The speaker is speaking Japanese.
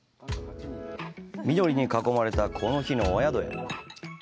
緑に囲まれたこの日のお宿へ。